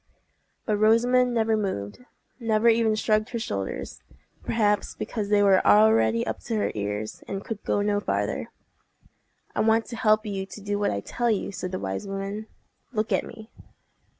But Rosamond never moved—never even shrugged her shoulders—perhaps because they were already up to her ears, and could go no farther. "I want to help you to do what I tell you," said the wise woman. "Look at me."